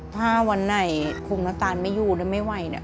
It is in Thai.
ถ้าวันไหนคุณธรรมไม่อยู่และไม่ไหว